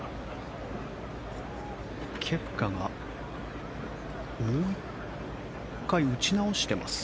ケプカがもう一回打ち直しています。